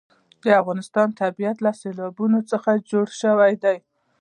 د افغانستان طبیعت له سیلابونه څخه جوړ شوی دی.